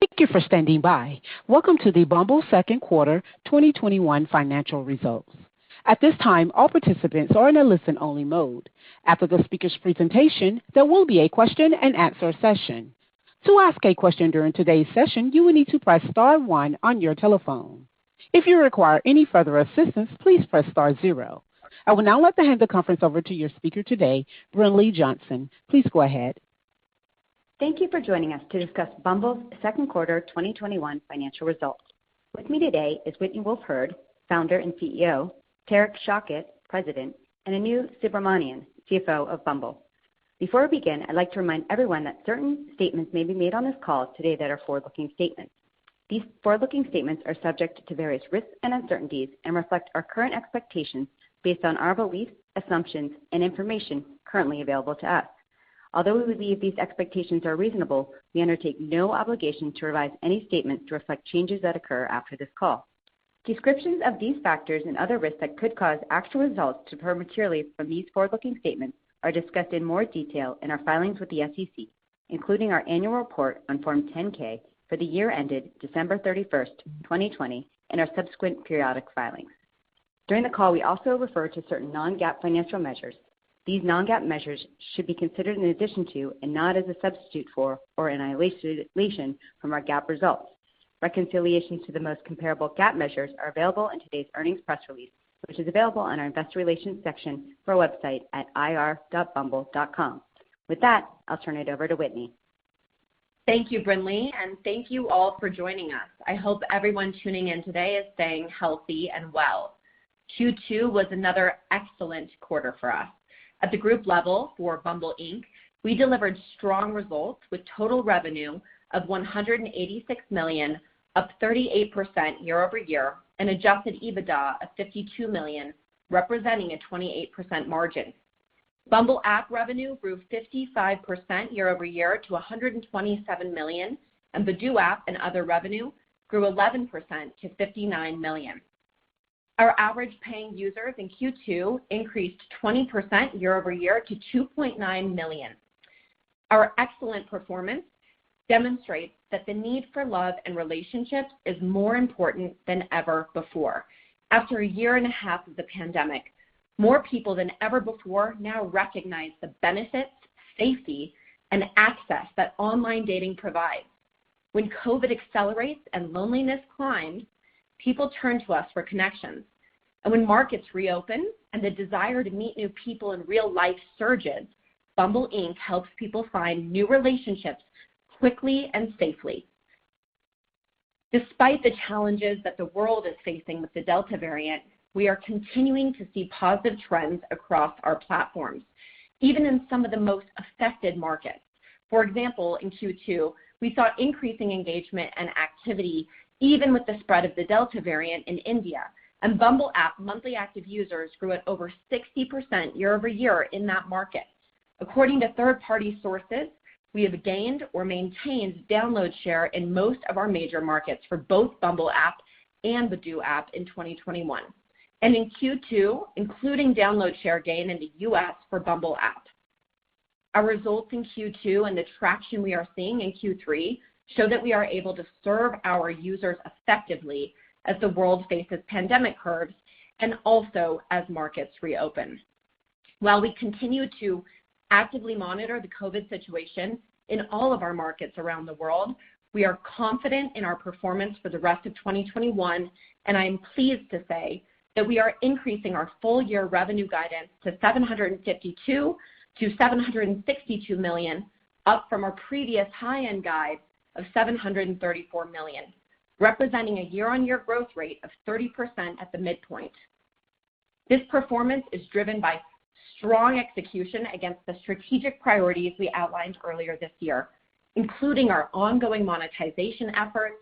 Thank you for standing by. Welcome to the Bumble second quarter 2021 financial results. At this time, all participants are in a listen-only mode. After the speaker's presentation, there will be a question and answer session. To ask a question during today's session, you will need to press star one on your telephone. If you require any further assistance, please press star zero. I will now like to hand the conference over to your speaker today, Brinlea Johnson. Please go ahead. Thank you for joining us to discuss Bumble's second quarter 2021 financial results. With me today is Whitney Wolfe Herd, Founder and CEO, Tariq Shaukat, President, and Anu Subramanian, CFO of Bumble. Before we begin, I'd like to remind everyone that certain statements may be made on this call today that are forward-looking statements. These forward-looking statements are subject to various risks and uncertainties and reflect our current expectations based on our beliefs, assumptions, and information currently available to us. Although we believe these expectations are reasonable, we undertake no obligation to revise any statements to reflect changes that occur after this call. Descriptions of these factors and other risks that could cause actual results to prematurely from these forward-looking statements are discussed in more detail in our filings with the SEC, including our annual report on Form 10-K for the year ended December 31st, 2020, and our subsequent periodic filings. During the call, we also refer to certain non-GAAP financial measures. These non-GAAP measures should be considered in addition to and not as a substitute for or an isolation from our GAAP results. Reconciliations to the most comparable GAAP measures are available in today's earnings press release, which is available on our Investor Relations section of our website at ir.bumble.com. With that, I'll turn it over to Whitney. Thank you, Brinlea, and thank you all for joining us. I hope everyone tuning in today is staying healthy and well. Q2 was another excellent quarter for us. At the group level for Bumble Inc, we delivered strong results with total revenue of $186 million, up 38% year-over-year, and adjusted EBITDA of $52 million, representing a 28% margin. Bumble App revenue grew 55% year-over-year to $127 million, and Badoo App and other revenue grew 11% to $59 million. Our average paying users in Q2 increased 20% year-over-year to 2.9 million. Our excellent performance demonstrates that the need for love and relationships is more important than ever before. After a year and a half of the pandemic, more people than ever before now recognize the benefits, safety, and access that online dating provides. When COVID accelerates and loneliness climbs, people turn to us for connections. When markets reopen and the desire to meet new people in real life surges, Bumble Inc helps people find new relationships quickly and safely. Despite the challenges that the world is facing with the Delta variant, we are continuing to see positive trends across our platforms, even in some of the most affected markets. For example, in Q2, we saw increasing engagement and activity even with the spread of the Delta variant in India, and Bumble App monthly active users grew at over 60% year-over-year in that market. According to third-party sources, we have gained or maintained download share in most of our major markets for both Bumble App and Badoo App in 2021, and in Q2, including download share gain in the U.S. for Bumble App. Our results in Q2 and the traction we are seeing in Q3 show that we are able to serve our users effectively as the world faces pandemic curves and also as markets reopen. While we continue to actively monitor the COVID situation in all of our markets around the world, we are confident in our performance for the rest of 2021. I am pleased to say that we are increasing our full-year revenue guidance to $752 million-$762 million, up from our previous high-end guide of $734 million, representing a year-on-year growth rate of 30% at the midpoint. This performance is driven by strong execution against the strategic priorities we outlined earlier this year, including our ongoing monetization efforts,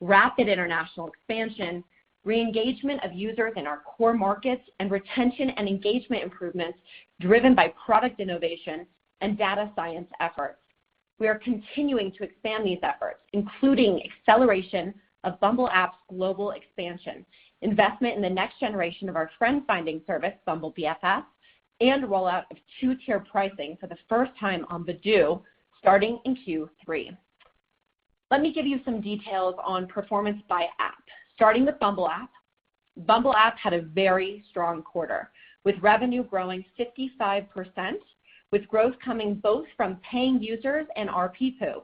rapid international expansion, re-engagement of users in our core markets, and retention and engagement improvements driven by product innovation and data science efforts. We are continuing to expand these efforts, including acceleration of Bumble App's global expansion, investment in the next generation of our friend-finding service, Bumble BFF, and rollout of two-tier pricing for the first time on Badoo starting in Q3. Let me give you some details on performance by app. Starting with Bumble App, Bumble App had a very strong quarter, with revenue growing 55%, with growth coming both from paying users and ARPPU.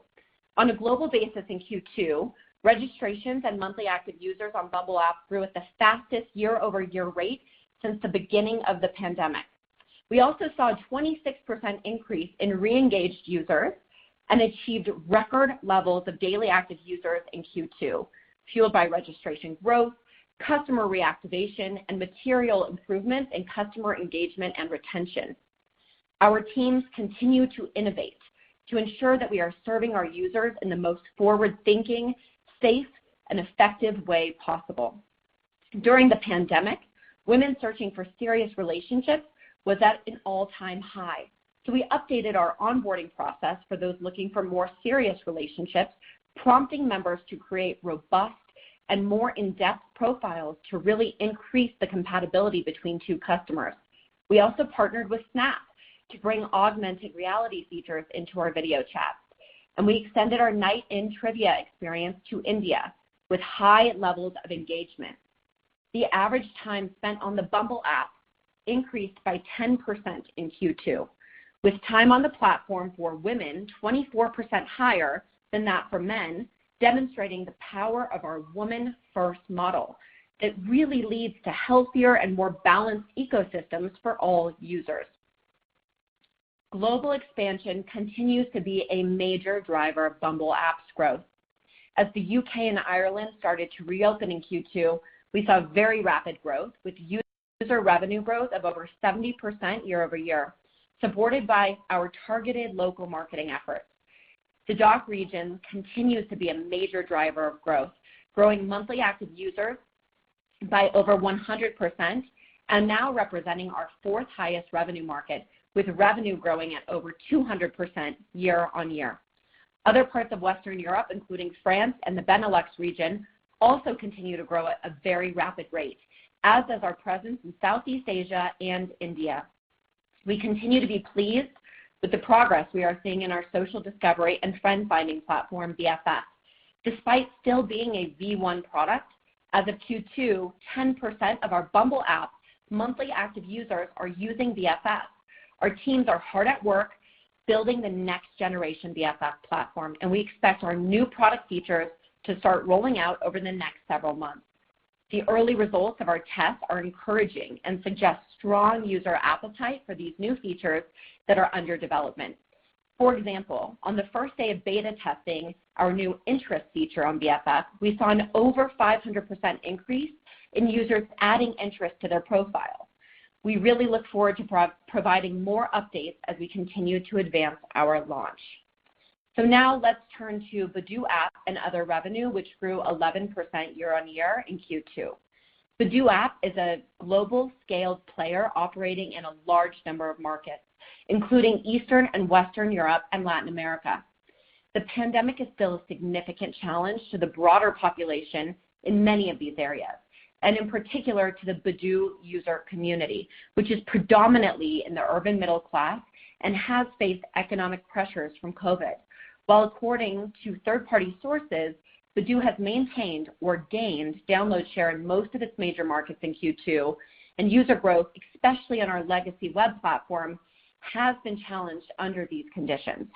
On a global basis in Q2, registrations and monthly active users on Bumble App grew at the fastest year-over-year rate since the beginning of the pandemic. We also saw a 26% increase in re-engaged users and achieved record levels of daily active users in Q2, fueled by registration growth, customer reactivation, and material improvements in customer engagement and retention. Our teams continue to innovate to ensure that we are serving our users in the most forward-thinking, safe, and effective way possible. During the pandemic, women searching for serious relationships was at an all-time high. We updated our onboarding process for those looking for more serious relationships, prompting members to create robust and more in-depth profiles to really increase the compatibility between two customers. We also partnered with Snap to bring augmented reality features into our video chats. We extended our Night In trivia experience to India with high levels of engagement. The average time spent on the Bumble App increased by 10% in Q2, with time on the platform for women 24% higher than that for men, demonstrating the power of our woman-first model. It really leads to healthier and more balanced ecosystems for all users. Global expansion continues to be a major driver of Bumble App's growth. As the U.K. and Ireland started to reopen in Q2, we saw very rapid growth with user revenue growth of over 70% year-over-year, supported by our targeted local marketing efforts. The DACH region continues to be a major driver of growth, growing monthly active users by over 100%, and now representing our fourth highest revenue market, with revenue growing at over 200% year-on-year. Other parts of Western Europe, including France and the Benelux region, also continue to grow at a very rapid rate, as does our presence in Southeast Asia and India. We continue to be pleased with the progress we are seeing in our social discovery and friend-finding platform, BFF. Despite still being a V1 product, as of Q2, 10% of our Bumble App's monthly active users are using BFF. Our teams are hard at work building the next generation BFF platform, and we expect our new product features to start rolling out over the next several months. The early results of our tests are encouraging and suggest strong user appetite for these new features that are under development. For example, on the first day of beta testing our new interest feature on BFF, we saw an over 500% increase in users adding interests to their profiles. We really look forward to providing more updates as we continue to advance our launch. Now let's turn to Badoo App and other revenue, which grew 11% year-on-year in Q2. Badoo App is a global-scale player operating in a large number of markets, including Eastern and Western Europe and Latin America. The pandemic is still a significant challenge to the broader population in many of these areas, and in particular to the Badoo user community, which is predominantly in the urban middle class and has faced economic pressures from COVID. While according to third-party sources, Badoo has maintained or gained download share in most of its major markets in Q2, and user growth, especially on our legacy web platform, has been challenged under these conditions.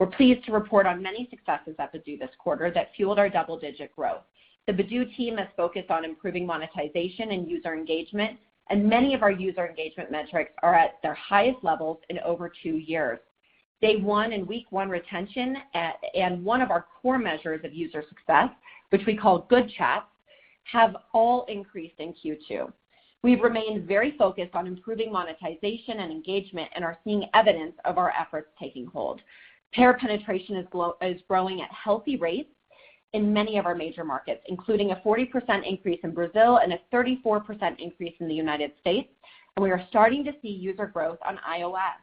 We're pleased to report on many successes at Badoo this quarter that fueled our double-digit growth. The Badoo team has focused on improving monetization and user engagement. Many of our user engagement metrics are at their highest levels in over two years. Day one and week one retention, and one of our core measures of user success, which we call Good Chats, have all increased in Q2. We've remained very focused on improving monetization and engagement and are seeing evidence of our efforts taking hold. Payer penetration is growing at healthy rates in many of our major markets, including a 40% increase in Brazil and a 34% increase in the United States. We are starting to see user growth on iOS.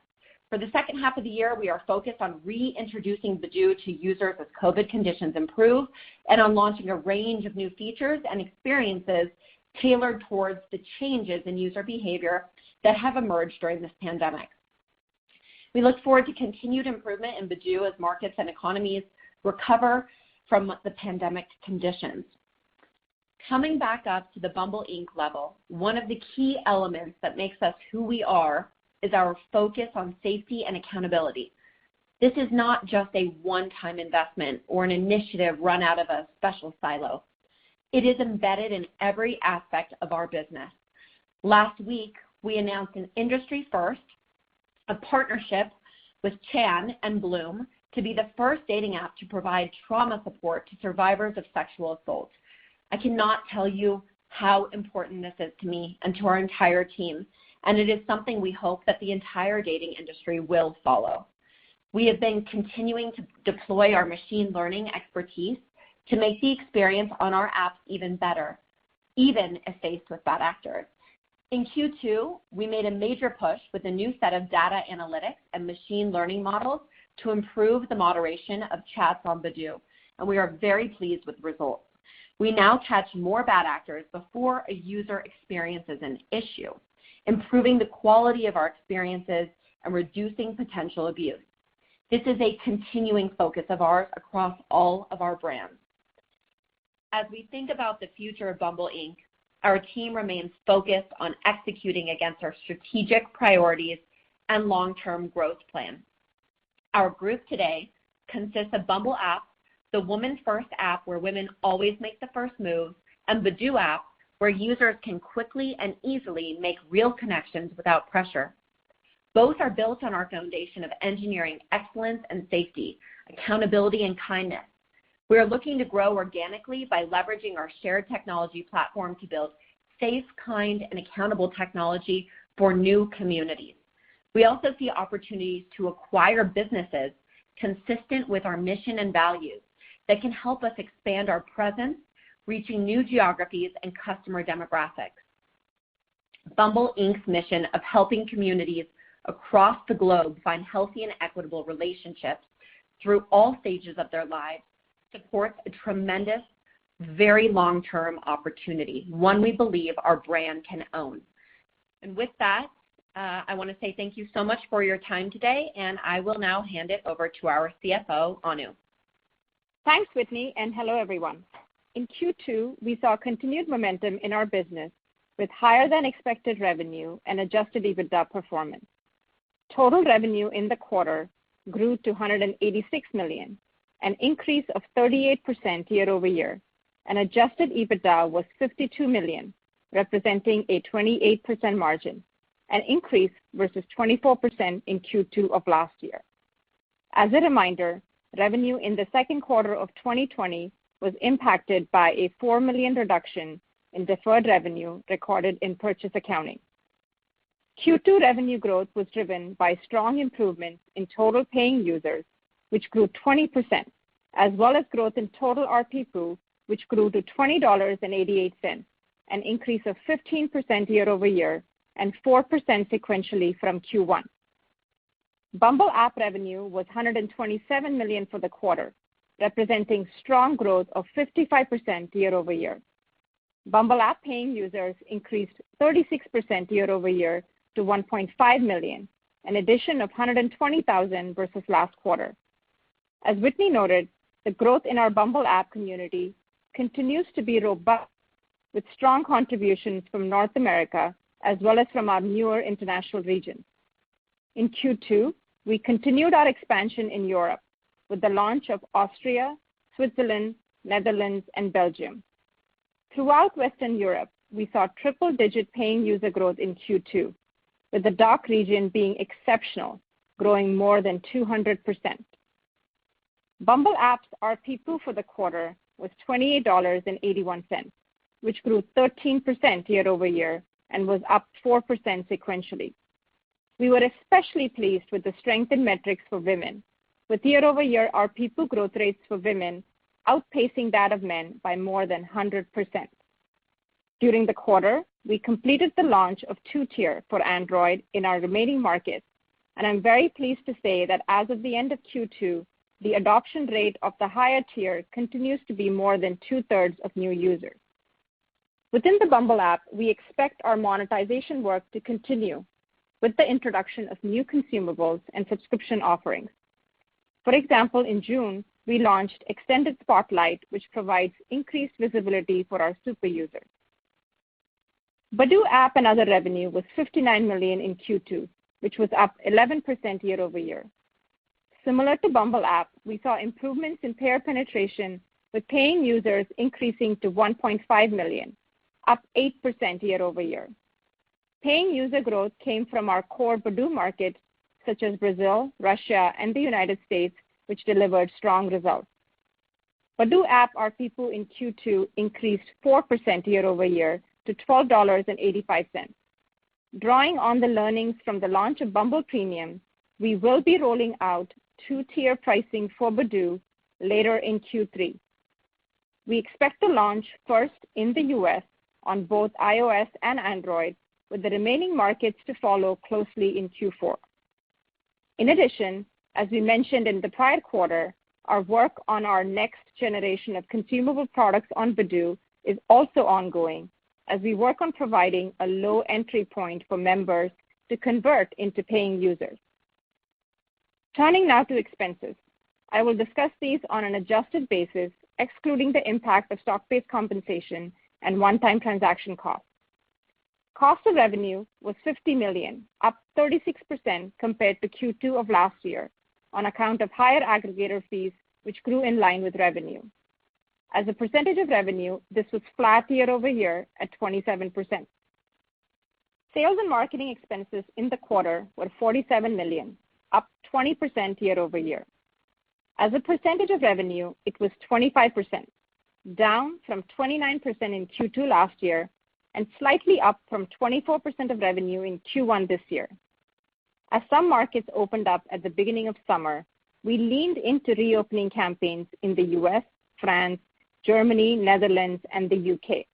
For the second half of the year, we are focused on reintroducing Badoo to users as COVID conditions improve and on launching a range of new features and experiences tailored towards the changes in user behavior that have emerged during this pandemic. We look forward to continued improvement in Badoo as markets and economies recover from the pandemic conditions. Coming back up to the Bumble Inc level, one of the key elements that makes us who we are is our focus on safety and accountability. This is not just a one-time investment or an initiative run out of a special silo. It is embedded in every aspect of our business. Last week, we announced an industry first, a partnership with Chayn and Bloom to be the first dating app to provide trauma support to survivors of sexual assault. I cannot tell you how important this is to me and to our entire team, and it is something we hope that the entire dating industry will follow. We have been continuing to deploy our machine learning expertise to make the experience on our apps even better, even if faced with bad actors. In Q2, we made a major push with a new set of data analytics and machine learning models to improve the moderation of chats on Badoo, and we are very pleased with the results. We now catch more bad actors before a user experiences an issue, improving the quality of our experiences and reducing potential abuse. This is a continuing focus of ours across all of our brands. As we think about the future of Bumble Inc, our team remains focused on executing against our strategic priorities and long-term growth plan. Our group today consists of Bumble App, the woman-first app where women always make the first move, and Badoo App, where users can quickly and easily make real connections without pressure. Both are built on our foundation of engineering excellence and safety, accountability and kindness. We are looking to grow organically by leveraging our shared technology platform to build safe, kind and accountable technology for new communities. We also see opportunities to acquire businesses consistent with our mission and values that can help us expand our presence, reaching new geographies and customer demographics. Bumble Inc's mission of helping communities across the globe find healthy and equitable relationships through all stages of their lives supports a tremendous, very long-term opportunity, one we believe our brand can own. With that, I want to say thank you so much for your time today, and I will now hand it over to our CFO, Anu. Thanks, Whitney, and hello, everyone. In Q2, we saw continued momentum in our business with higher-than-expected revenue and adjusted EBITDA performance. Total revenue in the quarter grew to $186 million, an increase of 38% year-over-year. Adjusted EBITDA was $52 million, representing a 28% margin, an increase versus 24% in Q2 of last year. As a reminder, revenue in the second quarter of 2020 was impacted by a $4 million reduction in deferred revenue recorded in purchase accounting. Q2 revenue growth was driven by strong improvements in total paying users, which grew 20%, as well as growth in total ARPPU, which grew to $20.88, an increase of 15% year-over-year and 4% sequentially from Q1. Bumble App revenue was $127 million for the quarter, representing strong growth of 55% year-over-year. Bumble App paying users increased 36% year-over-year to 1.5 million, an addition of 120,000 versus last quarter. As Whitney noted, the growth in our Bumble App community continues to be robust, with strong contributions from North America as well as from our newer international regions. In Q2, we continued our expansion in Europe with the launch of Austria, Switzerland, Netherlands, and Belgium. Throughout Western Europe, we saw triple-digit paying user growth in Q2, with the DACH region being exceptional, growing more than 200%. Bumble App's ARPPU for the quarter was $28.81, which grew 13% year-over-year and was up 4% sequentially. We were especially pleased with the strength in metrics for women, with year-over-year ARPPU growth rates for women outpacing that of men by more than 100%. During the quarter, we completed the launch of two-tier for Android in our remaining markets, and I'm very pleased to say that as of the end of Q2, the adoption rate of the higher tier continues to be more than two-thirds of new users. Within the Bumble App, we expect our monetization work to continue with the introduction of new consumables and subscription offerings. For example, in June, we launched Extended Spotlight, which provides increased visibility for our super users. Badoo App and other revenue was $59 million in Q2, which was up 11% year-over-year. Similar to Bumble App, we saw improvements in payer penetration, with paying users increasing to 1.5 million, up 8% year-over-year. Paying user growth came from our core Badoo markets, such as Brazil, Russia, and the United States, which delivered strong results. Badoo App ARPPU in Q2 increased 4% year-over-year to $12.85. Drawing on the learnings from the launch of Bumble Premium, we will be rolling out two-tier pricing for Badoo later in Q3. We expect to launch first in the U.S. on both iOS and Android, with the remaining markets to follow closely in Q4. As we mentioned in the prior quarter, our work on our next generation of consumable products on Badoo is also ongoing as we work on providing a low entry point for members to convert into paying users. Turning now to expenses. I will discuss these on an adjusted basis, excluding the impact of stock-based compensation and one-time transaction costs. Cost of revenue was $50 million, up 36% compared to Q2 of last year on account of higher aggregator fees, which grew in line with revenue. As a percentage of revenue, this was flat year-over-year at 27%. Sales and marketing expenses in the quarter were $47 million, up 20% year-over-year. As a percentage of revenue, it was 25%, down from 29% in Q2 last year and slightly up from 24% of revenue in Q1 this year. As some markets opened up at the beginning of summer, we leaned into reopening campaigns in the U.S., France, Germany, Netherlands, and the U.K.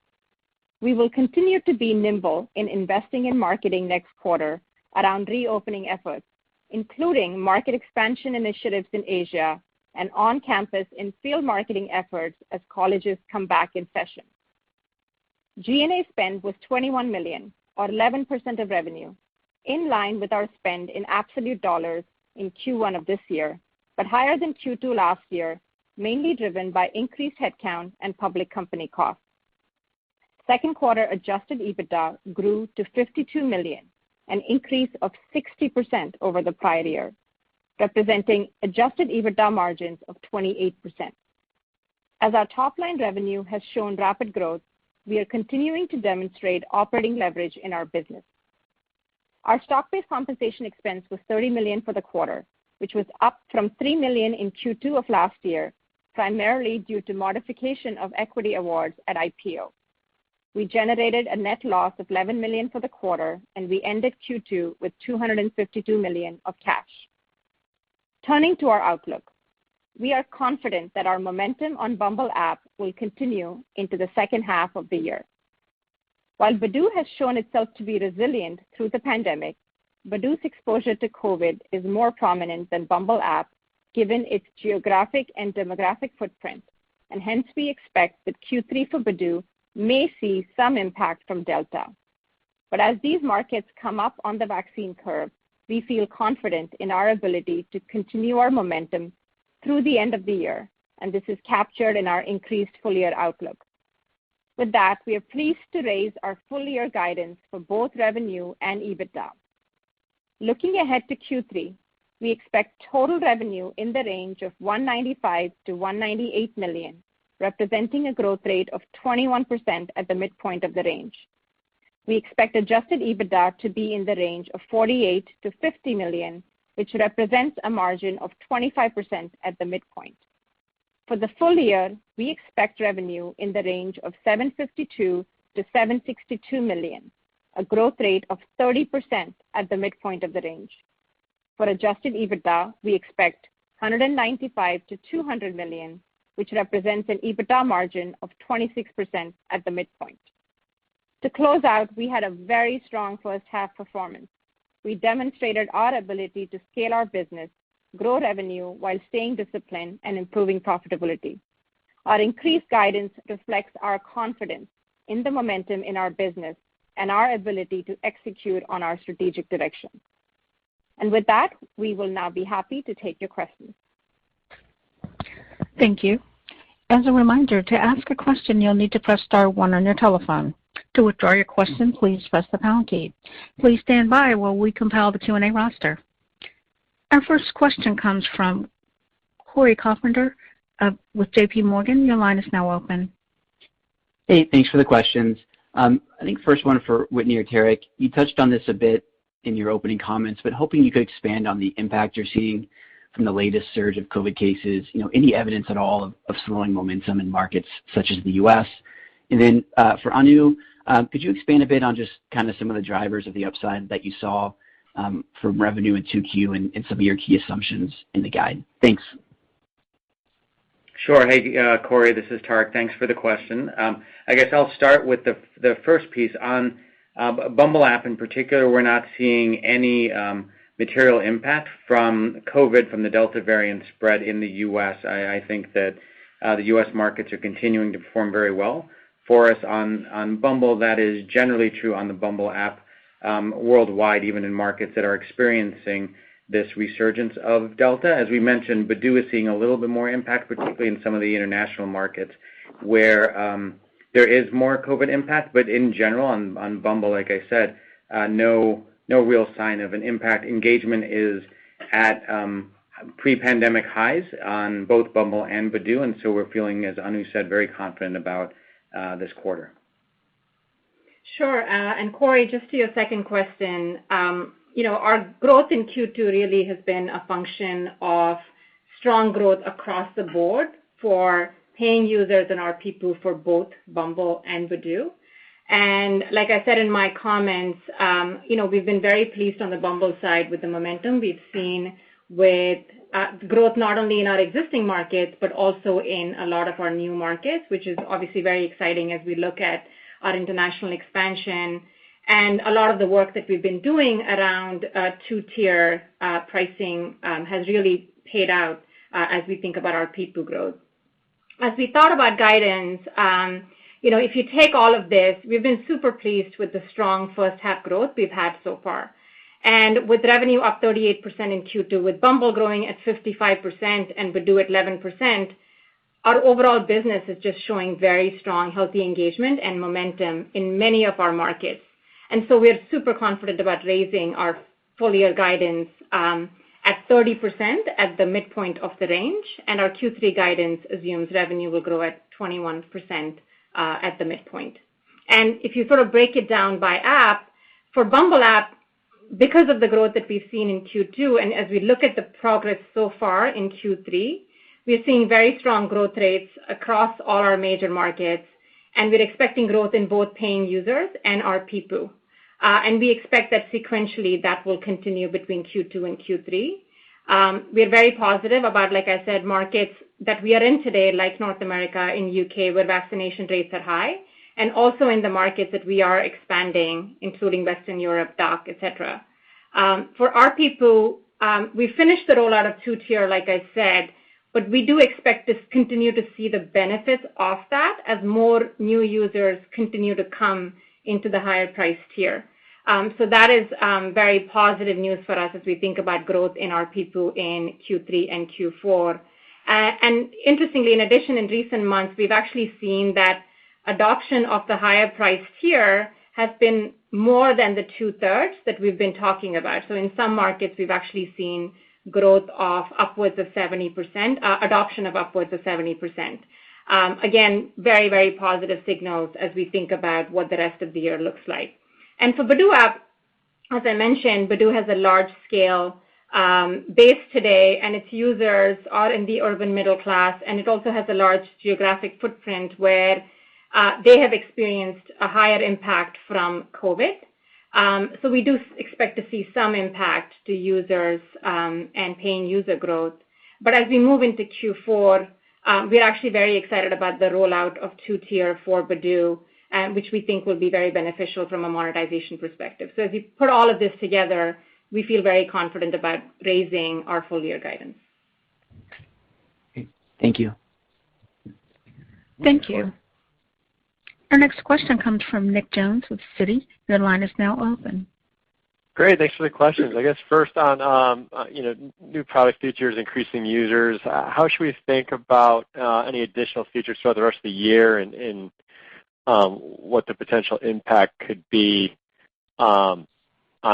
We will continue to be nimble in investing in marketing next quarter around reopening efforts, including market expansion initiatives in Asia and on-campus in-field marketing efforts as colleges come back in session. G&A spend was $21 million, or 11% of revenue, in line with our spend in absolute dollars in Q1 of this year, but higher than Q2 last year, mainly driven by increased headcount and public company costs. Second quarter adjusted EBITDA grew to $52 million, an increase of 60% over the prior year, representing adjusted EBITDA margins of 28%. As our top-line revenue has shown rapid growth, we are continuing to demonstrate operating leverage in our business. Our stock-based compensation expense was $30 million for the quarter, which was up from $3 million in Q2 of last year, primarily due to modification of equity awards at IPO. We generated a net loss of $11 million for the quarter, and we ended Q2 with $252 million of cash. Turning to our outlook. We are confident that our momentum on Bumble App will continue into the second half of the year. While Badoo has shown itself to be resilient through the pandemic, Badoo's exposure to COVID is more prominent than Bumble App given its geographic and demographic footprint. Hence, we expect that Q3 for Badoo may see some impact from Delta. As these markets come up on the vaccine curve, we feel confident in our ability to continue our momentum through the end of the year, and this is captured in our increased full-year outlook. With that, we are pleased to raise our full-year guidance for both revenue and EBITDA. Looking ahead to Q3, we expect total revenue in the range of $195 million-$198 million, representing a growth rate of 21% at the midpoint of the range. We expect adjusted EBITDA to be in the range of $48 million-$50 million, which represents a margin of 25% at the midpoint. For the full year, we expect revenue in the range of $752 million-$762 million, a growth rate of 30% at the midpoint of the range. For adjusted EBITDA, we expect $195 million-$200 million, which represents an EBITDA margin of 26% at the midpoint. To close out, we had a very strong first half performance. We demonstrated our ability to scale our business, grow revenue while staying disciplined and improving profitability. Our increased guidance reflects our confidence in the momentum in our business and our ability to execute on our strategic direction. With that, we will now be happy to take your questions. Thank you. As a reminder, to ask a question, you'll need to press star one on your telephone. To withdraw your question, please press the pound key. Please stand by while we compile the Q&A roster. Our first question comes from Cory Carpenter with JPMorgan. Your line is now open. Hey. Thanks for the questions. I think first one for Whitney or Tariq. You touched on this a bit in your opening comments, but hoping you could expand on the impact you're seeing from the latest surge of COVID cases. You know, any evidence at all of slowing momentum in markets such as the U.S.? For Anu, could you expand a bit on just kinda some of the drivers of the upside that you saw from revenue in 2Q and some of your key assumptions in the guide? Thanks. Sure. Hey, Cory. This is Tariq. Thanks for the question. I guess I'll start with the first piece. On Bumble App in particular, we're not seeing any material impact from COVID from the Delta variant spread in the U.S. I think that the U.S. markets are continuing to perform very well for us on Bumble. That is generally true on the Bumble App worldwide, even in markets that are experiencing this resurgence of Delta. As we mentioned, Badoo is seeing a little bit more impact, particularly in some of the international markets where there is more COVID impact. In general, on Bumble, like I said, no real sign of an impact. Engagement is at pre-pandemic highs on both Bumble and Badoo, we're feeling, as Anu said, very confident about this quarter. Sure. Cory, just to your second question, you know, our growth in Q2 really has been a function of strong growth across the board for paying users and our people for both Bumble and Badoo. Like I said in my comments, you know, we've been very pleased on the Bumble side with the momentum we've seen with growth not only in our existing markets, but also in a lot of our new markets, which is obviously very exciting as we look at our international expansion. A lot of the work that we've been doing around two-tier pricing has really paid out as we think about our people growth. As we thought about guidance, you know, if you take all of this, we've been super pleased with the strong first half growth we've had so far. With revenue up 38% in Q2 with Bumble growing at 55% and Badoo at 11%, our overall business is just showing very strong, healthy engagement and momentum in many of our markets. We're super confident about raising our full-year guidance, at 30% at the midpoint of the range, and our Q3 guidance assumes revenue will grow at 21% at the midpoint. If you sort of break it down by app, for Bumble App, because of the growth that we've seen in Q2 and as we look at the progress so far in Q3, we're seeing very strong growth rates across all our major markets, and we're expecting growth in both paying users and our people. We expect that sequentially that will continue between Q2 and Q3. We're very positive about, like I said, markets that we are in today, like North America and U.K., where vaccination rates are high, and also in the markets that we are expanding, including Western Europe, DACH, et cetera. For our people, we finished the rollout of two-tier, like I said, We do expect to continue to see the benefits of that as more new users continue to come into the higher-priced tier. That is very positive news for us as we think about growth in our people in Q3 and Q4. Interestingly, in addition, in recent months, we've actually seen that adoption of the higher-priced tier has been more than the two-thirds that we've been talking about. In some markets, we've actually seen growth of upwards of 70%, adoption of upwards of 70%. Again, very, very positive signals as we think about what the rest of the year looks like. For Badoo App, as I mentioned, Badoo has a large scale base today, and its users are in the urban middle class, and it also has a large geographic footprint where they have experienced a higher impact from COVID. So we do expect to see some impact to users and paying user growth. As we move into Q4, we're actually very excited about the rollout of two-tier for Badoo, which we think will be very beneficial from a monetization perspective. If you put all of this together, we feel very confident about raising our full year guidance. Okay, thank you. Thank you. Our next question comes from Nick Jones with Citi. Your line is now open. Great. Thanks for the questions. I guess first on, you know, new product features, increasing users, how should we think about any additional features throughout the rest of the year and what the potential impact could be on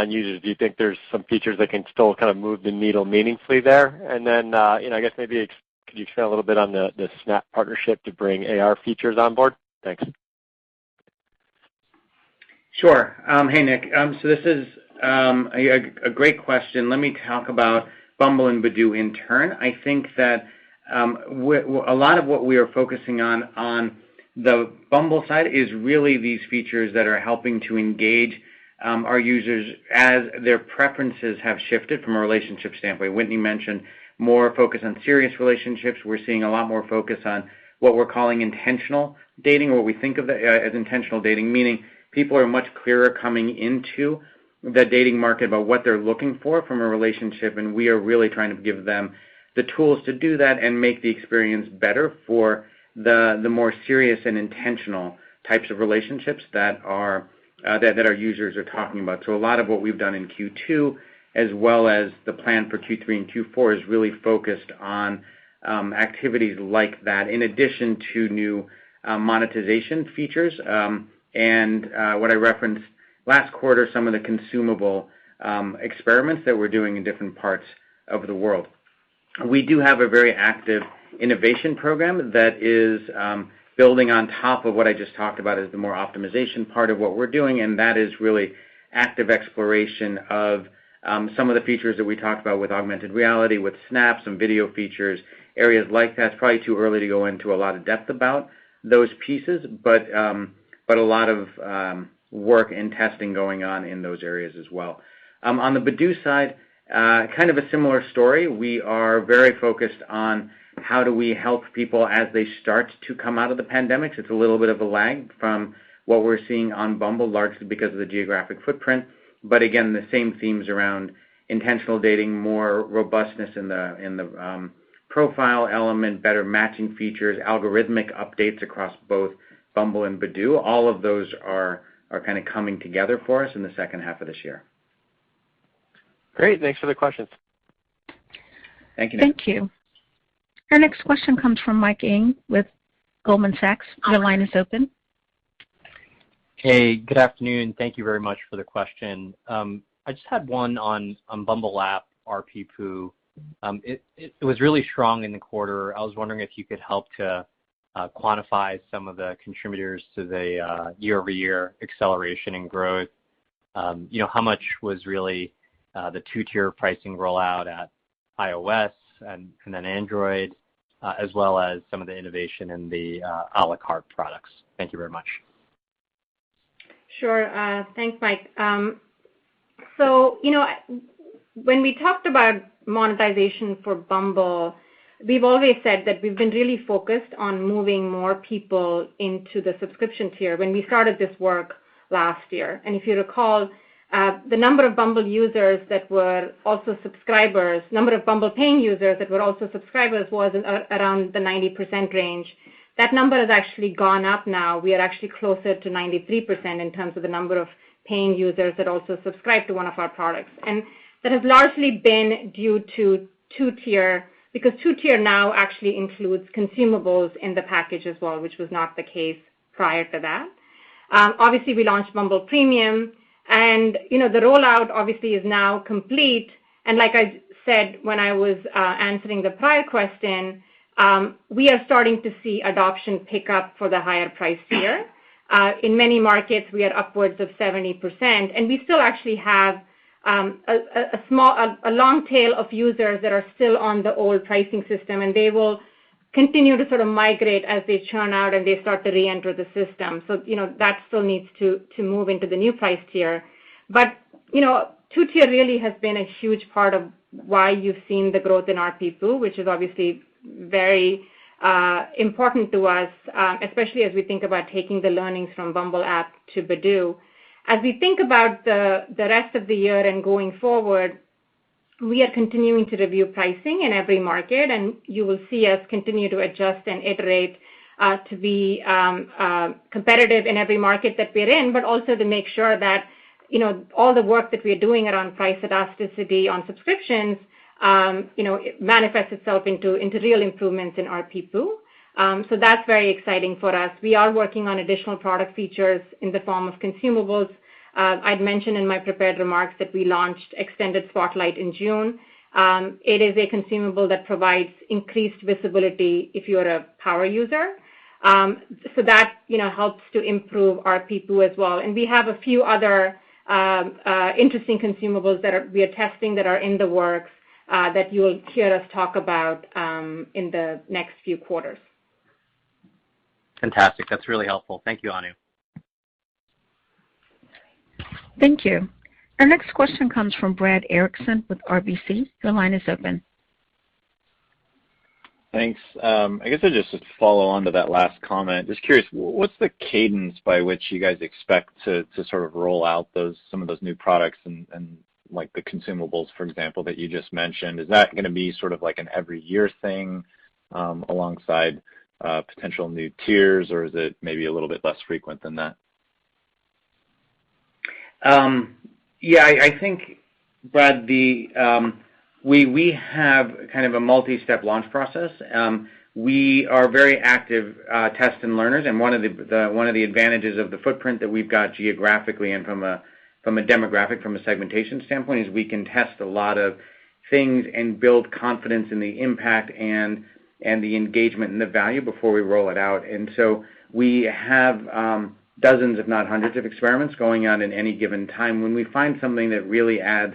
users? Do you think there's some features that can still kind of move the needle meaningfully there? Then, you know, I guess maybe could you expand a little bit on the Snap partnership to bring AR features on board? Thanks. Sure. Hey, Nick. This is a great question. Let me talk about Bumble and Badoo in turn. I think that a lot of what we are focusing on on the Bumble side is really these features that are helping to engage our users as their preferences have shifted from a relationship standpoint. Whitney mentioned more focus on serious relationships. We're seeing a lot more focus on what we're calling intentional dating, or what we think of as intentional dating, meaning people are much clearer coming into the dating market about what they're looking for from a relationship, and we are really trying to give them the tools to do that and make the experience better for the more serious and intentional types of relationships that our users are talking about. A lot of what we've done in Q2, as well as the plan for Q3 and Q4, is really focused on activities like that, in addition to new monetization features, and what I referenced last quarter, some of the consumable experiments that we're doing in different parts of the world. We do have a very active innovation program that is building on top of what I just talked about as the more optimization part of what we're doing, and that is really active exploration of some of the features that we talked about with augmented reality, with Snap, some video features, areas like that. It's probably too early to go into a lot of depth about those pieces, but a lot of work and testing going on in those areas as well. On the Badoo side, kind of a similar story. We are very focused on how do we help people as they start to come out of the pandemic. It's a little bit of a lag from what we're seeing on Bumble, largely because of the geographic footprint. Again, the same themes around intentional dating, more robustness in the profile element, better matching features, algorithmic updates across both Bumble and Badoo. All of those are kind of coming together for us in the second half of this year. Great. Thanks for the questions. Thank you, Nick. Thank you. Our next question comes from Mike Ng with Goldman Sachs. Your line is open. Hey, good afternoon. Thank you very much for the question. I just had one on Bumble App ARPPU. It was really strong in the quarter. I was wondering if you could help to quantify some of the contributors to the year-over-year acceleration in growth. You know, how much was really the two-tier pricing rollout at iOS and then Android, as well as some of the innovation in the a la carte products? Thank you very much. Sure. Thanks, Mike. You know, when we talked about monetization for Bumble, we've always said that we've been really focused on moving more people into the subscription tier when we started this work last year. If you recall, the number of Bumble users that were also subscribers, number of Bumble paying users that were also subscribers was around the 90% range. That number has actually gone up now. We are actually closer to 93% in terms of the number of paying users that also subscribe to one of our products. That has largely been due to two-tier, because two-tier now actually includes consumables in the package as well, which was not the case prior to that. Obviously, we launched Bumble Premium, you know, the rollout obviously is now complete. Like I said when I was answering the prior question, we are starting to see adoption pick up for the higher price tier. In many markets, we are upwards of 70%, and we still actually have a long tail of users that are still on the old pricing system, and they will continue to sort of migrate as they churn out and they start to reenter the system. You know, that still needs to move into the new price tier. You know, two-tier really has been a huge part of why you've seen the growth in ARPPU, which is obviously very important to us, especially as we think about taking the learnings from Bumble App to Badoo. As we think about the rest of the year and going forward, we are continuing to review pricing in every market. You will see us continue to adjust and iterate to be competitive in every market that we're in. Also to make sure that, you know, all the work that we're doing around price elasticity on subscriptions, you know, it manifests itself into real improvements in ARPPU. That's very exciting for us. We are working on additional product features in the form of consumables. I'd mentioned in my prepared remarks that we launched Extended Spotlight in June. It is a consumable that provides increased visibility if you are a power user. That, you know, helps to improve ARPPU as well. We have a few other interesting consumables that we are testing that are in the works that you will hear us talk about in the next few quarters. Fantastic. That's really helpful. Thank you, Anu. Thank you. Our next question comes from Brad Erickson with RBC. Your line is open. Thanks. I guess I'll just follow on to that last comment. Just curious, what's the cadence by which you guys expect to sort of roll out some of those new products and like the consumables, for example, that you just mentioned? Is that gonna be sort of like an every year thing alongside potential new tiers, or is it maybe a little bit less frequent than that? Yeah, I think, Brad, we have kind of a multi-step launch process. We are very active, test and learners, and one of the advantages of the footprint that we've got geographically and from a, from a demographic, from a segmentation standpoint is we can test a lot of things and build confidence in the impact and the engagement and the value before we roll it out. We have dozens, if not hundreds, of experiments going on at any given time. When we find something that really adds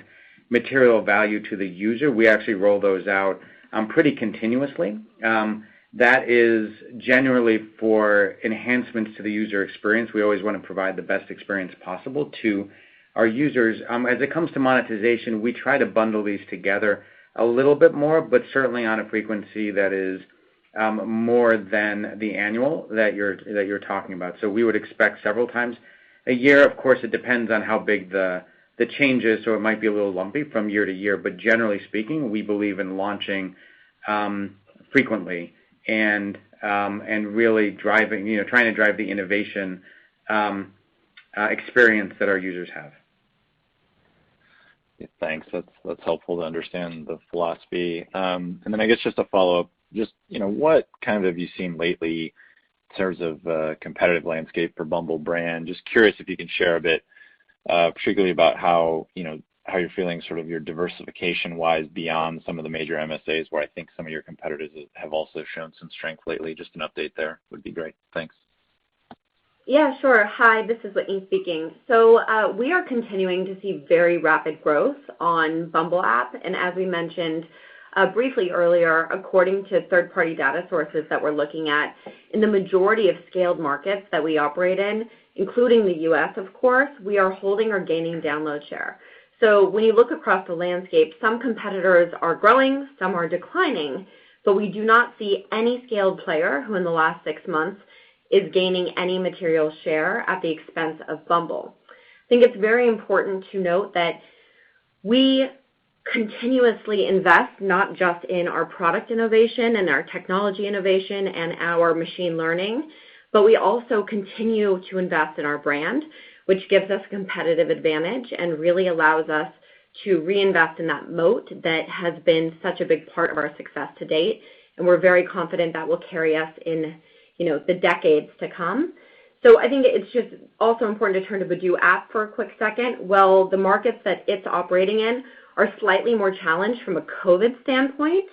material value to the user, we actually roll those out, pretty continuously. That is generally for enhancements to the user experience. We always wanna provide the best experience possible to our users. As it comes to monetization, we try to bundle these together a little bit more, but certainly on a frequency that is more than the annual that you're talking about. We would expect several times a year. Of course, it depends on how big the change is, so it might be a little lumpy from year to year. Generally speaking, we believe in launching frequently and really driving, you know, trying to drive the innovation experience that our users have. Thanks. That's helpful to understand the philosophy. Then I guess just a follow-up. Just, you know, what kind have you seen lately in terms of competitive landscape for Bumble brand? Just curious if you can share a bit, particularly about how, you know, how you're feeling sort of your diversification-wise beyond some of the major MSAs where I think some of your competitors have also shown some strength lately. Just an update there would be great. Thanks. Yeah, sure. Hi, this is Whitney speaking. We are continuing to see very rapid growth on Bumble App. As we mentioned, briefly earlier, according to third-party data sources that we're looking at, in the majority of scaled markets that we operate in, including the U.S., of course, we are holding or gaining download share. When you look across the landscape, some competitors are growing, some are declining, but we do not see any scaled player who in the last six months is gaining any material share at the expense of Bumble. I think it's very important to note that we continuously invest not just in our product innovation and our technology innovation and our machine learning, but we also continue to invest in our brand, which gives us competitive advantage and really allows us to reinvest in that moat that has been such a big part of our success to date, and we're very confident that will carry us in, you know, the decades to come. I think it's just also important to turn to Badoo App for a quick second. While the markets that it's operating in are slightly more challenged from a COVID standpoint,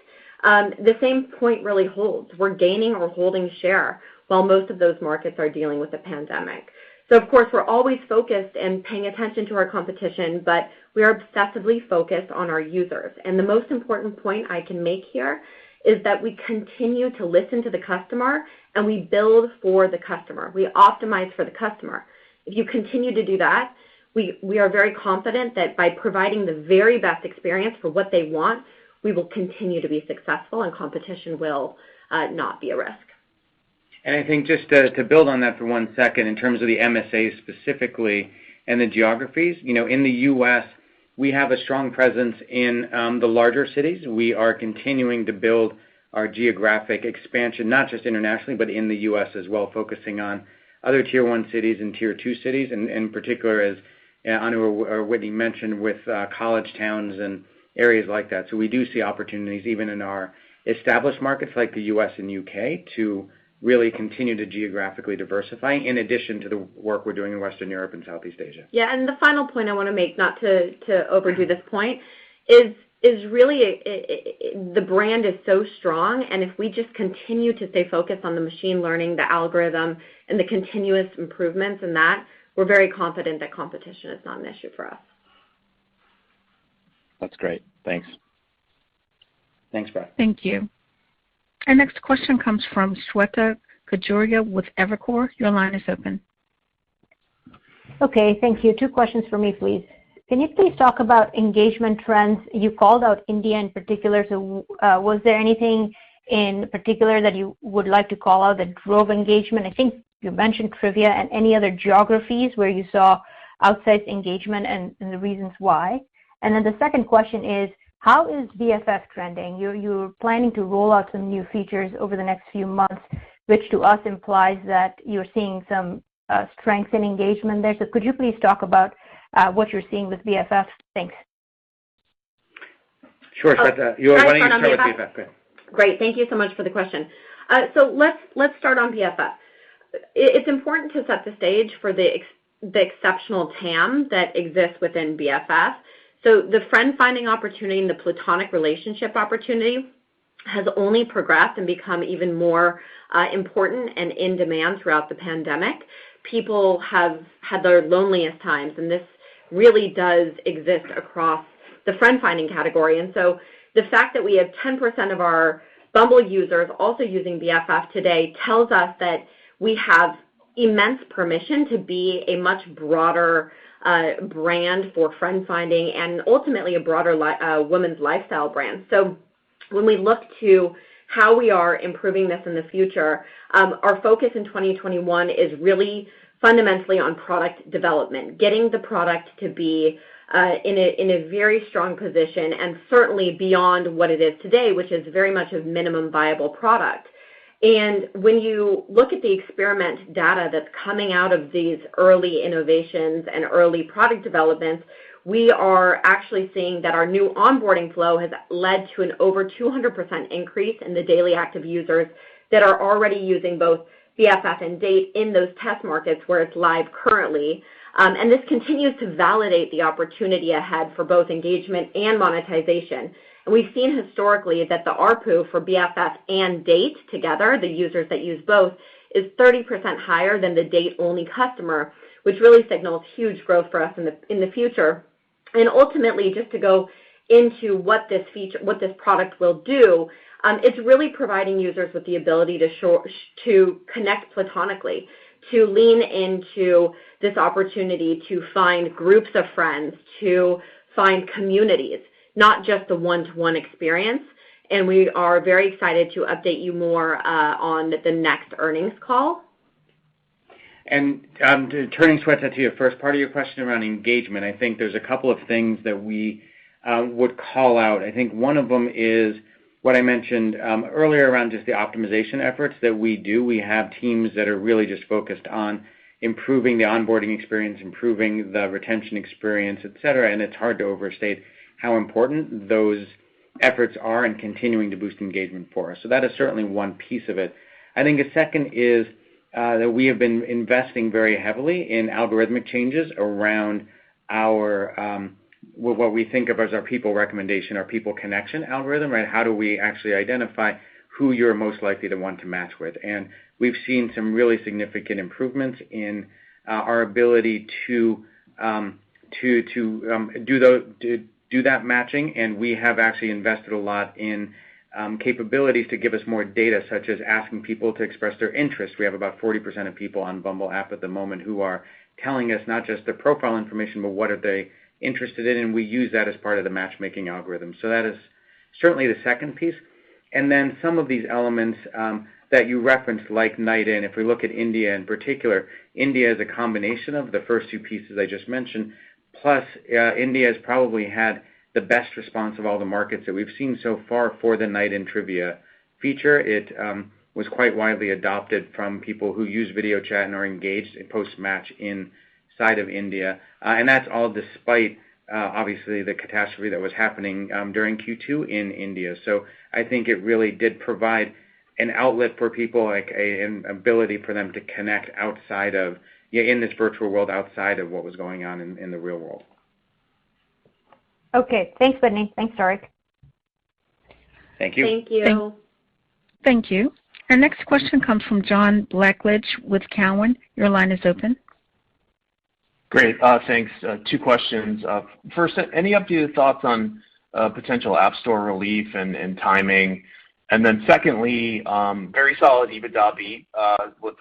the same point really holds. We're gaining or holding share while most of those markets are dealing with the pandemic. Of course, we're always focused and paying attention to our competition, but we are obsessively focused on our users. The most important point I can make here is that we continue to listen to the customer, and we build for the customer. We optimize for the customer. If you continue to do that, we are very confident that by providing the very best experience for what they want, we will continue to be successful and competition will not be a risk. I think just to build on that for one second in terms of the MSA specifically and the geographies. You know, in the U.S., we have a strong presence in the larger cities. We are continuing to build our geographic expansion, not just internationally, but in the U.S. as well, focusing on other Tier 1 cities and Tier 2 cities, and in particular, as Anu or Whitney mentioned with college towns and areas like that. We do see opportunities even in our established markets like the U.S. and U.K. to really continue to geographically diversify in addition to the work we're doing in Western Europe and Southeast Asia. Yeah. The final point I wanna make, not to overdo this point, is really, it, the brand is so strong, and if we just continue to stay focused on the machine learning, the algorithm, and the continuous improvements in that, we're very confident that competition is not an issue for us. That's great. Thanks. Thanks, Brad. Thank you. Our next question comes from Shweta Khajuria with Evercore. Your line is open. Okay, thank you. Two questions for me, please. Can you please talk about engagement trends? You called out India in particular, was there anything in particular that you would like to call out that drove engagement? I think you mentioned trivia. Any other geographies where you saw outside engagement and the reasons why. The second question is, how is BFFs trending? You're planning to roll out some new features over the next few months, which to us implies that you're seeing some strength in engagement there. Could you please talk about what you're seeing with BFFs? Thanks. Sure, Shweta. You wanna start on the BFFs? I'll try to start on BFF. Great. Thank you so much for the question. Let's start on BFF. It's important to set the stage for the exceptional TAM that exists within BFF. The friend-finding opportunity and the platonic relationship opportunity has only progressed and become even more important and in demand throughout the pandemic. People have had their loneliest times, and this really does exist across the friend finding category. The fact that we have 10% of our Bumble users also using BFF today tells us that we have immense permission to be a much broader brand for friend finding and ultimately a broader women's lifestyle brand. When we look to how we are improving this in the future, our focus in 2021 is really fundamentally on product development, getting the product to be in a very strong position and certainly beyond what it is today, which is very much a minimum viable product. When you look at the experiment data that's coming out of these early innovations and early product developments, we are actually seeing that our new onboarding flow has led to an over 200% increase in the daily active users that are already using both BFF and Date in those test markets where it's live currently. This continues to validate the opportunity ahead for both engagement and monetization. We've seen historically that the ARPU for BFF and Date together, the users that use both, is 30% higher than the Date only customer, which really signals huge growth for us in the future. Ultimately, just to go into what this product will do, it's really providing users with the ability to connect platonically, to lean into this opportunity to find groups of friends, to find communities, not just the one-to-one experience. We are very excited to update you more on the next earnings call. Turning Shwetha to your first part of your question around engagement, I think there's a couple of things that we would call out. I think one of them is what I mentioned earlier around just the optimization efforts that we do. We have teams that are really just focused on improving the onboarding experience, improving the retention experience, et cetera, and it's hard to overstate how important those efforts are in continuing to boost engagement for us. That is certainly one piece of it. I think a second is that we have been investing very heavily in algorithmic changes around our what we think of as our people recommendation, our people connection algorithm, right? How do we actually identify who you're most likely to want to match with? We've seen some really significant improvements in our ability to do that matching, and we have actually invested a lot in capabilities to give us more data, such as asking people to express their interest. We have about 40% of people on Bumble App at the moment who are telling us not just their profile information, but what are they interested in, and we use that as part of the matchmaking algorithm. That is certainly the second piece. Some of these elements that you referenced, like Night In. If we look at India in particular, India is a combination of the first two pieces I just mentioned, plus India has probably had the best response of all the markets that we've seen so far for the Night In trivia feature. It was quite widely adopted from people who use video chat and are engaged in post-match inside of India. That's all despite obviously the catastrophe that was happening during Q2 in India. I think it really did provide an outlet for people, an ability for them to connect outside of, you know, in this virtual world, outside of what was going on in the real world. Okay. Thanks, Whitney. Thanks, Tariq. Thank you. Thank you. Thank you. Our next question comes from John Blackledge with Cowen. Your line is open. Great. Thanks. Two questions. First, any updated thoughts on potential App Store relief and timing? Secondly, very solid EBITDA with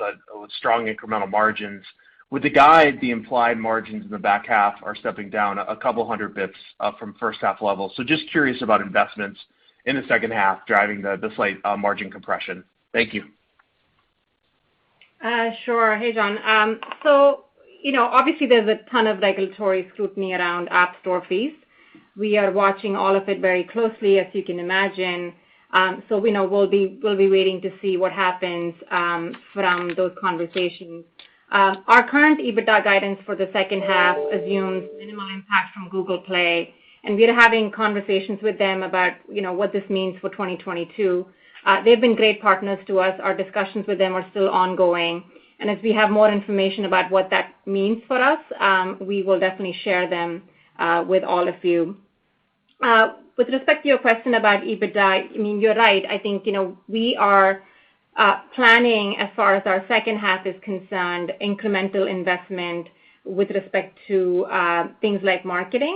strong incremental margins. With the guide, the implied margins in the back half are stepping down a couple hundred basis points from first half levels. Just curious about investments in the second half driving the slight margin compression. Thank you. Sure. Hey, John. You know, obviously there's a ton of regulatory scrutiny around App Store fees. We are watching all of it very closely, as you can imagine. We know we'll be waiting to see what happens from those conversations. Our current EBITDA guidance for the second half assumes minimal impact from Google Play, and we're having conversations with them about, you know, what this means for 2022. They've been great partners to us. Our discussions with them are still ongoing. As we have more information about what that means for us, we will definitely share them with all of you. With respect to your question about EBITDA, I mean, you're right. I think, you know, we are planning, as far as our second half is concerned, incremental investment with respect to things like marketing.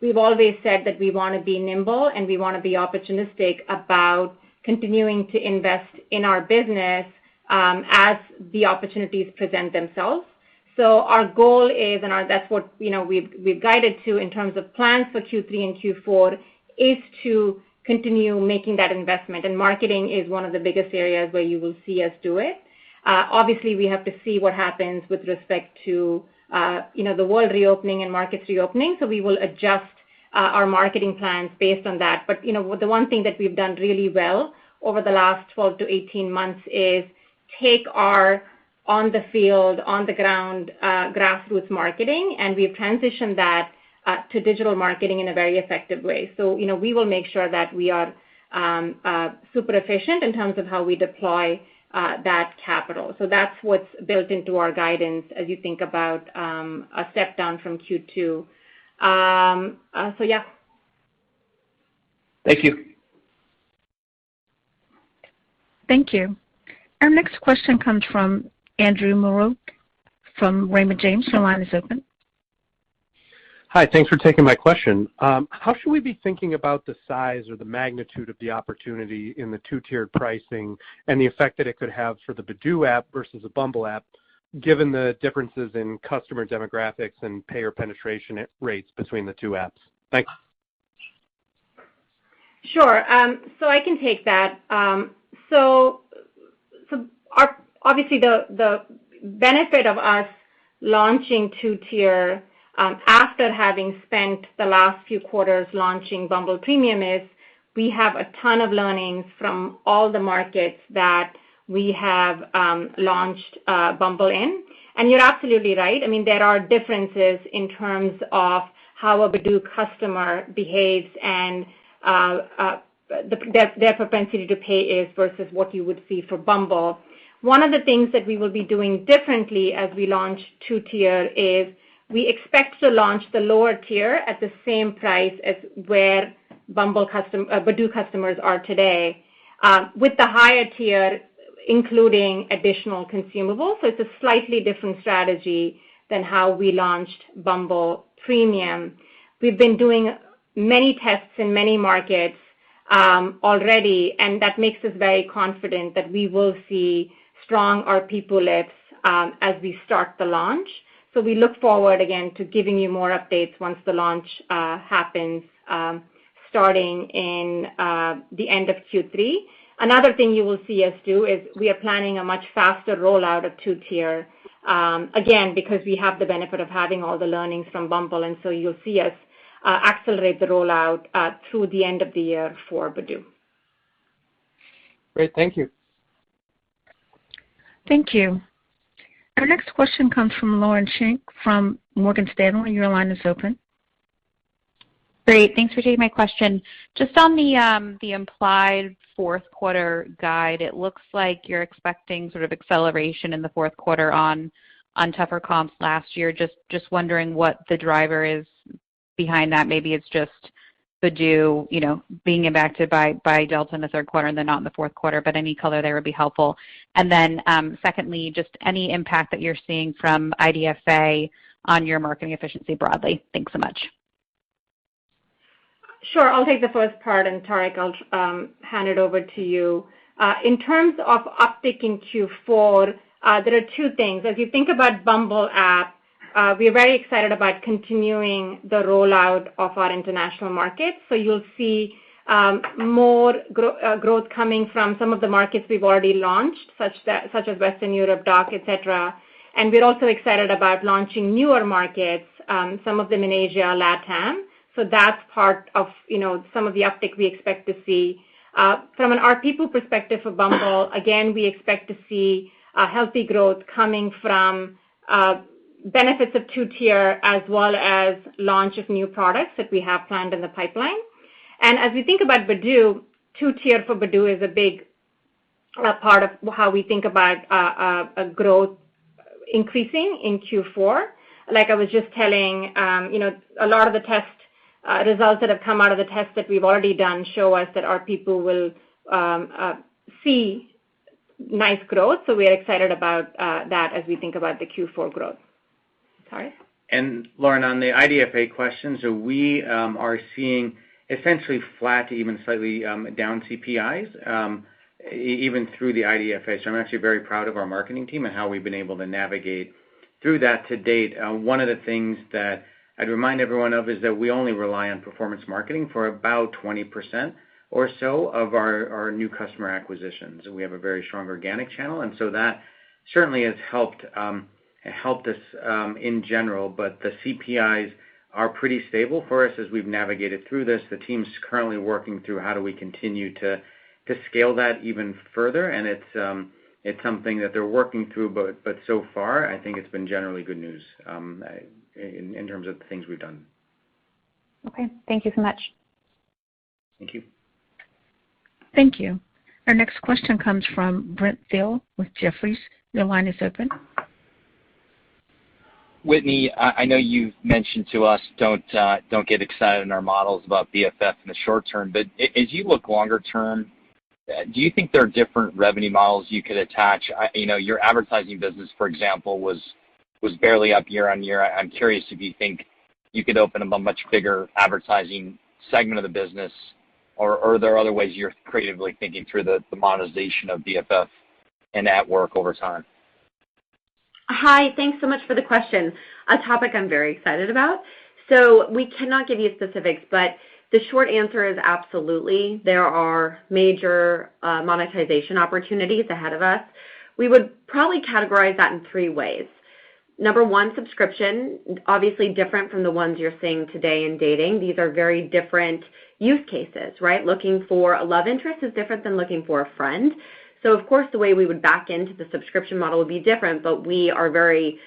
We've always said that we wanna be nimble, and we wanna be opportunistic about continuing to invest in our business, as the opportunities present themselves. Our goal is, that's what, you know, we've guided to in terms of plans for Q3 and Q4, is to continue making that investment. Marketing is one of the biggest areas where you will see us do it. Obviously, we have to see what happens with respect to, you know, the world reopening and markets reopening. We will adjust our marketing plans based on that. You know, the one thing that we've done really well over the last 12-18 months is take our on the field, on the ground, grassroots marketing, and we've transitioned that to digital marketing in a very effective way. You know, we will make sure that we are super efficient in terms of how we deploy that capital. That's what's built into our guidance as you think about a step down from Q2. Thank you. Thank you. Our next question comes from Andrew Marok from Raymond James. Your line is open. Hi. Thanks for taking my question. How should we be thinking about the size or the magnitude of the opportunity in the two-tier pricing and the effect that it could have for the Badoo App versus the Bumble App, given the differences in customer demographics and payer penetration at rates between the two apps? Thanks. I can take that. Obviously, the benefit of us launching two-tier after having spent the last few quarters launching Bumble Premium is we have a ton of learnings from all the markets that we have launched Bumble in. You're absolutely right. I mean, there are differences in terms of how a Badoo customer behaves and their propensity to pay is versus what you would see for Bumble. One of the things that we will be doing differently as we launch two-tier is we expect to launch the lower tier at the same price as where Badoo customers are today with the higher tier including additional consumables. It's a slightly different strategy than how we launched Bumble Premium. We've been doing many tests in many markets already, that makes us very confident that we will see strong ARPPU lifts as we start the launch. We look forward, again, to giving you more updates once the launch happens starting in the end of Q3. Another thing you will see us do is we are planning a much faster rollout of two-tier again, because we have the benefit of having all the learnings from Bumble, you'll see us accelerate the rollout through the end of the year for Badoo. Great. Thank you. Thank you. Our next question comes from Lauren Schenk from Morgan Stanley. Your line is open. Great. Thanks for taking my question. Just on the implied fourth quarter guide, it looks like you're expecting sort of acceleration in the fourth quarter on tougher comps last year. Just wondering what the driver is behind that. Maybe it's just Badoo, you know, being impacted by Delta in the third quarter and then not in the fourth quarter, but any color there would be helpful. Secondly, just any impact that you're seeing from IDFA on your marketing efficiency broadly. Thanks so much. Sure. I'll take the first part, Tariq, I'll hand it over to you. In terms of uptick in Q4, there are two things. If you think about Bumble App, we're very excited about continuing the rollout of our international markets. You'll see growth coming from some of the markets we've already launched, such as Western Europe, DACH, et cetera. We're also excited about launching newer markets, some of them in Asia, LatAm. That's part of, you know, some of the uptick we expect to see. From an ARPPU perspective for Bumble, again, we expect to see healthy growth coming from benefits of two-tier as well as launch of new products that we have planned in the pipeline. As we think about Badoo, two-tier for Badoo is a big part of how we think about a growth increasing in Q4. Like I was just telling, you know, a lot of the test results that have come out of the tests that we've already done show us that our people will see nice growth. We are excited about that as we think about the Q4 growth. Tariq? Lauren, on the IDFA question, so we are seeing essentially flat to even slightly down CPIs even through the IDFA. I'm actually very proud of our marketing team and how we've been able to navigate through that to date. One of the things that I'd remind everyone of is that we only rely on performance marketing for about 20% or so of our new customer acquisitions. We have a very strong organic channel, that certainly has helped us in general. The CPIs are pretty stable for us as we've navigated through this. The team's currently working through how do we continue to scale that even further, and it's something that they're working through, but so far I think it's been generally good news in terms of the things we've done. Okay. Thank you so much. Thank you. Thank you. Our next question comes from Brent Thill with Jefferies. Your line is open. Whitney, I know you've mentioned to us don't get excited in our models about BFF in the short term, but as you look longer term, do you think there are different revenue models you could attach? You know, your advertising business, for example, was barely up year-on-year. I'm curious if you think you could open up a much bigger advertising segment of the business or are there other ways you're creatively thinking through the monetization of BFF and at work over time? Hi. Thanks so much for the question. A topic I'm very excited about. We cannot give you specifics, but the short answer is absolutely, there are major monetization opportunities ahead of us. We would probably categorize that in three ways. Number one, subscription. Obviously different from the ones you're seeing today in dating. These are very different use cases, right? Looking for a love interest is different than looking for a friend. Of course, the way we would back into the subscription model would be different, but we are very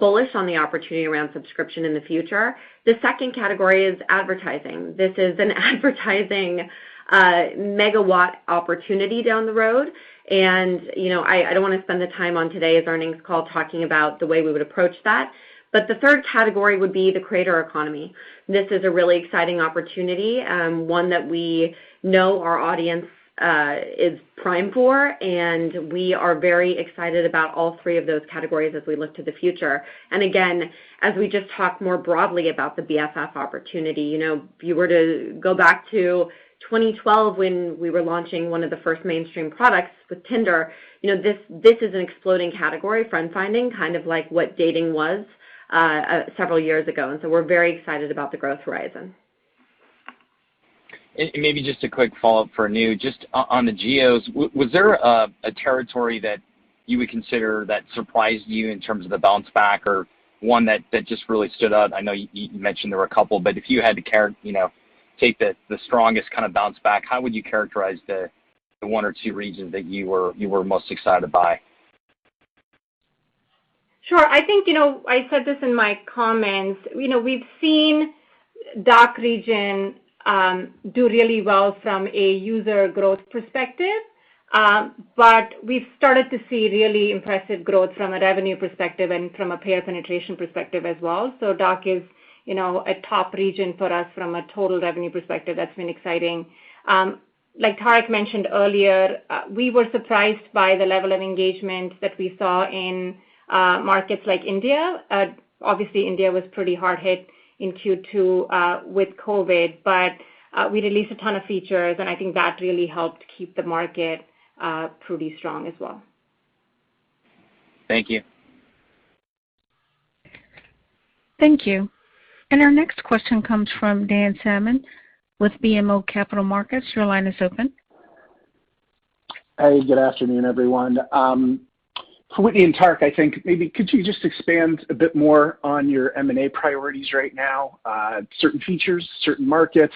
bullish on the opportunity around subscription in the future. The second category is advertising. This is an advertising mega opportunity down the road. You know, I don't wanna spend the time on today's earnings call talking about the way we would approach that. The third category would be the creator economy. This is a really exciting opportunity, one that we know our audience is primed for, and we are very excited about all three of those categories as we look to the future. Again, as we just talked more broadly about the BFF opportunity, you know, if you were to go back to 2012 when we were launching one of the first mainstream products with Tinder, you know, this is an exploding category, friend-finding, kind of like what dating was several years ago, and so we're very excited about the growth horizon. Maybe just a quick follow-up for Anu. On the geos, was there a territory that you would consider that surprised you in terms of the bounce back or one that just really stood out? I know you mentioned there were a couple, but if you had to characterize, you know, take the strongest kind of bounce back, how would you characterize the one or two regions that you were most excited by? Sure. I think, you know, I said this in my comments. You know, we've seen DACH region do really well from a user growth perspective. We've started to see really impressive growth from a revenue perspective and from a payer penetration perspective as well. DACH is, you know, a top region for us from a total revenue perspective. That's been exciting. Like Tariq mentioned earlier, we were surprised by the level of engagement that we saw in markets like India. Obviously India was pretty hard hit in Q2 with COVID, but we released a ton of features, and I think that really helped keep the market pretty strong as well. Thank you. Thank you. Our next question comes from Dan Salmon with BMO Capital Markets. Your line is open. Hey, good afternoon, everyone. Whitney and Tariq, I think maybe could you just expand a bit more on your M&A priorities right now, certain features, certain markets,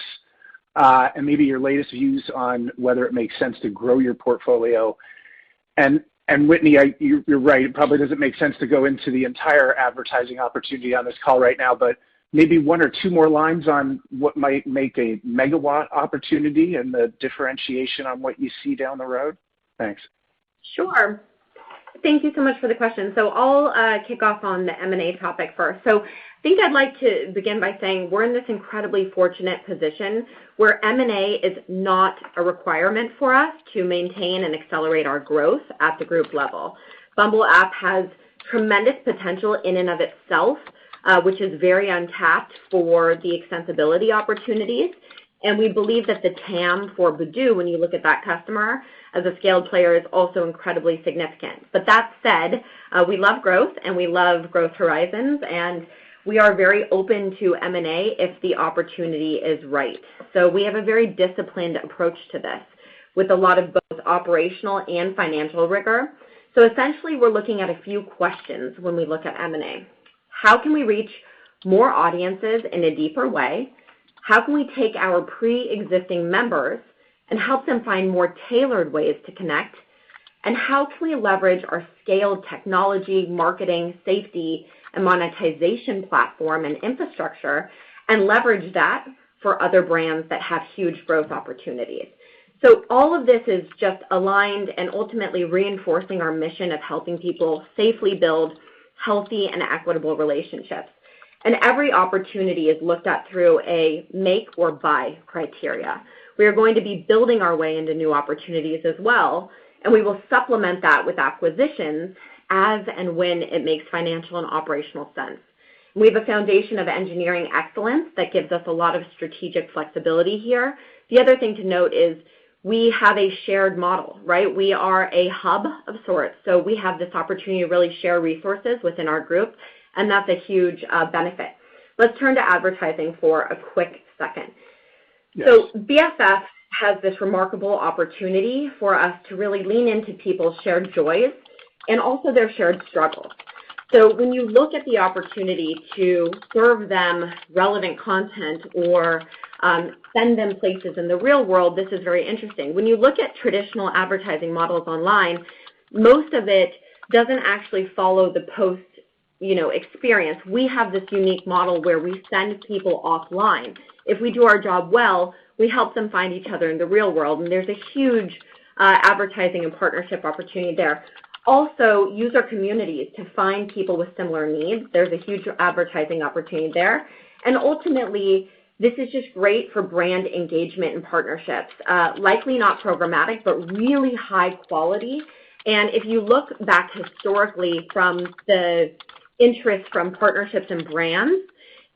and maybe your latest views on whether it makes sense to grow your portfolio? Whitney, you're right. It probably doesn't make sense to go into the entire advertising opportunity on this call right now, but maybe one or two more lines on what might make a megawatt opportunity and the differentiation on what you see down the road. Thanks. Sure. Thank you so much for the question. I'll kick off on the M&A topic first. I think I'd like to begin by saying we're in this incredibly fortunate position where M&A is not a requirement for us to maintain and accelerate our growth at the group level. Bumble App has tremendous potential in and of itself, which is very untapped for the extensibility opportunities, and we believe that the TAM for Badoo, when you look at that customer as a scaled player, is also incredibly significant. That said, we love growth, and we love growth horizons, and we are very open to M&A if the opportunity is right. We have a very disciplined approach to this, with a lot of both operational and financial rigor. Essentially, we're looking at a few questions when we look at M&A. How can we reach more audiences in a deeper way? How can we take our preexisting members and help them find more tailored ways to connect? How can we leverage our scaled technology, marketing, safety, and monetization platform and infrastructure and leverage that for other brands that have huge growth opportunities? All of this is just aligned and ultimately reinforcing our mission of helping people safely build healthy and equitable relationships, and every opportunity is looked at through a make-or-buy criteria. We are going to be building our way into new opportunities as well, and we will supplement that with acquisitions as and when it makes financial and operational sense. We have a foundation of engineering excellence that gives us a lot of strategic flexibility here. The other thing to note is we have a shared model, right? We are a hub of sorts, so we have this opportunity to really share resources within our group, and that's a huge benefit. Let's turn to advertising for a quick second. Yes. BFF has this remarkable opportunity for us to really lean into people's shared joys and also their shared struggles. When you look at the opportunity to serve them relevant content or send them places in the real world, this is very interesting. When you look at traditional advertising models online, most of it doesn't actually follow the post, you know, experience. We have this unique model where we send people offline. If we do our job well, we help them find each other in the real world, and there's a huge advertising and partnership opportunity there. Also, user communities to find people with similar needs, there's a huge advertising opportunity there. Ultimately, this is just great for brand engagement and partnerships. Likely not programmatic, but really high quality. If you look back historically from the interest from partnerships and brands,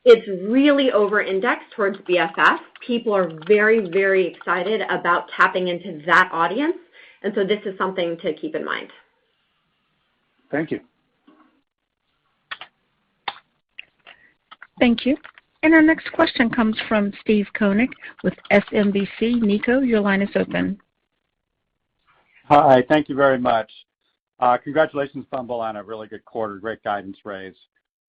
it's really over-indexed towards BFF. People are very excited about tapping into that audience. This is something to keep in mind. Thank you. Thank you. Our next question comes from Steve Koenig with SMBC Nikko. Your line is open. Hi. Thank you very much. Congratulations, Bumble, on a really good quarter. Great guidance raise.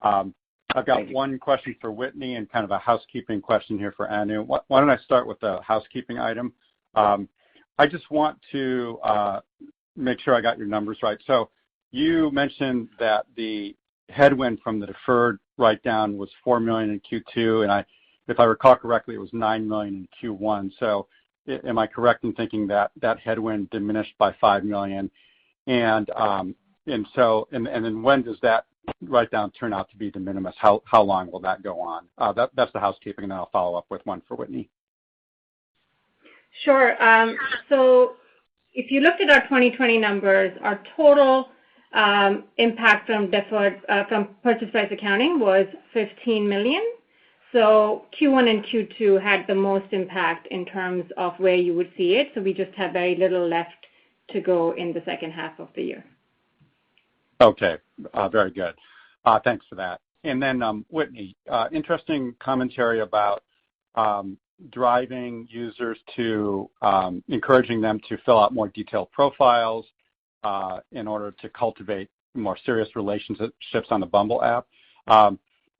Thank you. I've got one question for Whitney and kind of a housekeeping question here for Anu. Why don't I start with the housekeeping item? I just want to make sure I got your numbers right. You mentioned that the headwind from the deferred writedown was $4 million in Q2, and if I recall correctly, it was $9 million in Q1. Am I correct in thinking that that headwind diminished by $5 million? Then when does that writedown turn out to be de minimis? How long will that go on? That's the housekeeping, and then I'll follow up with one for Whitney. Sure. If you look at our 2020 numbers, our total impact from deferred from purchase price accounting was $15 million. Q1 and Q2 had the most impact in terms of where you would see it, so we just have very little left to go in the second half of the year. Okay. very good. thanks for that. Whitney, interesting commentary about driving users to encouraging them to fill out more detailed profiles in order to cultivate more serious relationships on the Bumble App.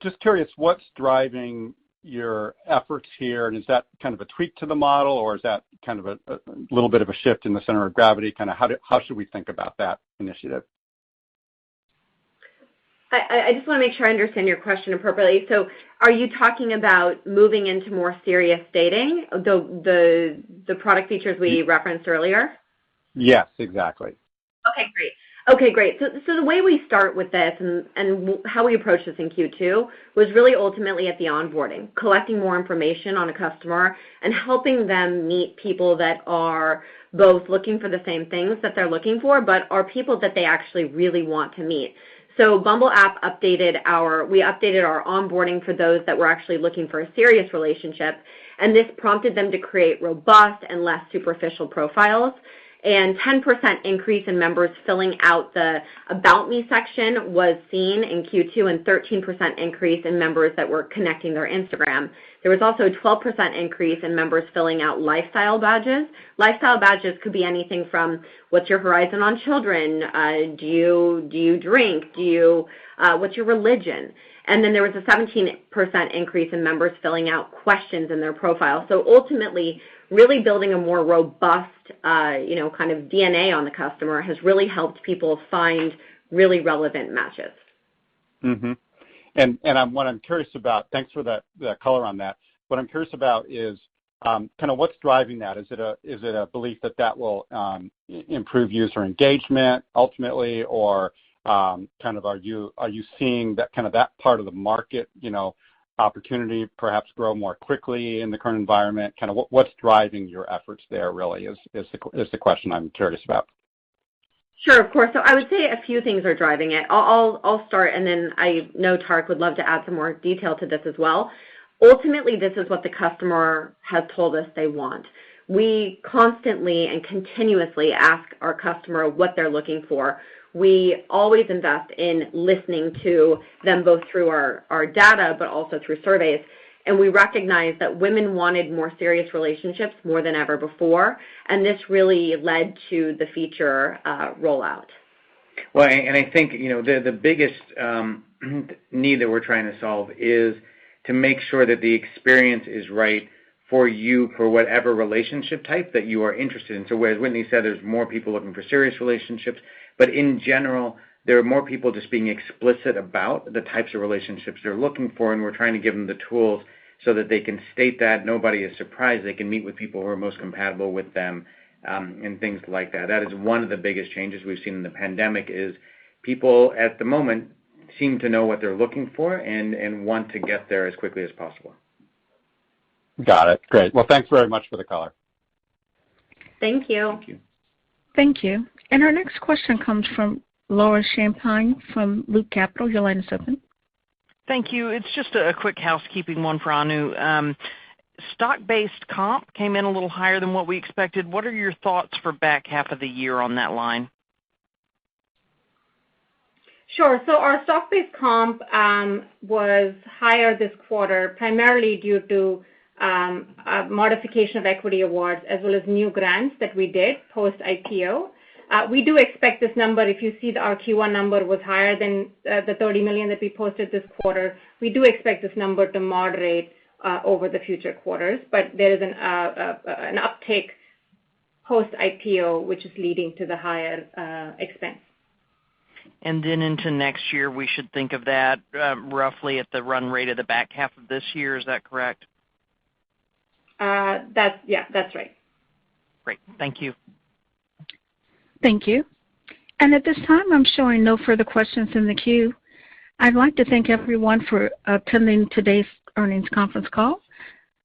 Just curious, what's driving your efforts here, and is that kind of a tweak to the model, or is that kind of a little bit of a shift in the center of gravity? How should we think about that initiative? I just wanna make sure I understand your question appropriately. Are you talking about moving into more serious dating? The product features we referenced earlier? Yes, exactly. Okay, great. The way we start with this and how we approach this in Q2 was really ultimately at the onboarding, collecting more information on a customer and helping them meet people that are both looking for the same things that they're looking for, but are people that they actually really want to meet. We updated our onboarding for those that were actually looking for a serious relationship, and this prompted them to create robust and less superficial profiles. 10% increase in members filling out the About Me section was seen in Q2, and 13% increase in members that were connecting their Instagram. There was also a 12% increase in members filling out lifestyle badges. Lifestyle badges could be anything from what's your horizon on children, do you, do you drink, do you, what's your religion? There was a 17% increase in members filling out questions in their profile. Ultimately, really building a more robust, you know, kind of DNA on the customer has really helped people find really relevant matches. Mm-hmm. What I'm curious about. Thanks for the color on that. What I'm curious about is kinda what's driving that? Is it a belief that that will improve user engagement ultimately? Kind of are you seeing that, kinda that part of the market, you know, opportunity perhaps grow more quickly in the current environment? Kinda what's driving your efforts there really is the question I'm curious about. Sure, of course. I would say a few things are driving it. I'll start, and then I know Tariq would love to add some more detail to this as well. Ultimately, this is what the customer has told us they want. We constantly and continuously ask our customer what they're looking for. We always invest in listening to them, both through our data but also through surveys, and we recognize that women wanted more serious relationships more than ever before, and this really led to the feature rollout. I think, you know, the biggest need that we're trying to solve is to make sure that the experience is right for you for whatever relationship type that you are interested in. Whereas Whitney said there's more people looking for serious relationships. In general, there are more people just being explicit about the types of relationships they're looking for. We're trying to give them the tools so that they can state that. Nobody is surprised. They can meet with people who are most compatible with them, and things like that. That is one of the biggest changes we've seen in the pandemic is people at the moment seem to know what they're looking for and want to get there as quickly as possible. Got it. Great. Well, thanks very much for the color. Thank you. Thank you. Thank you. Our next question comes from Laura Champine from Loop Capital. Thank you. It's just a quick housekeeping one for Anu. Stock-based comp came in a little higher than what we expected. What are your thoughts for back half of the year on that line? Sure. Our stock-based comp was higher this quarter, primarily due to a modification of equity awards as well as new grants that we did post-IPO. We do expect this number, if you see that our Q1 number was higher than the $30 million that we posted this quarter. We do expect this number to moderate over the future quarters. There is an uptake post-IPO, which is leading to the higher expense. Into next year, we should think of that roughly at the run rate of the back half of this year. Is that correct? Yeah, that's right. Great. Thank you. Thank you. At this time, I'm showing no further questions in the queue. I'd like to thank everyone for attending today's earnings conference call.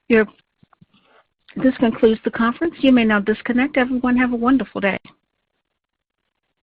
This concludes the conference. You may now disconnect. Everyone, have a wonderful day.